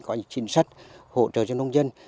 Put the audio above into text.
có những chính sách hỗ trợ cho nông dân